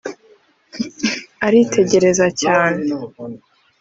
aritegereza cyane